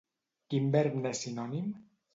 Quin verb n'és sinònim?